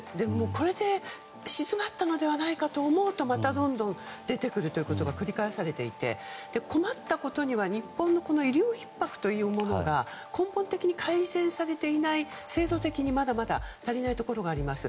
これで静まったかと思うとまたどんどん出てくるということが繰り返されていて、困ったことに日本の医療ひっ迫というものが根本的に改善されていない制度的にまだまだ足りないところがあります。